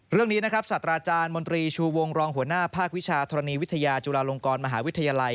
เรื่องนี้นะครับสัตว์อาจารย์มนตรีชูวงรองหัวหน้าภาควิชาธรณีวิทยาจุฬาลงกรมหาวิทยาลัย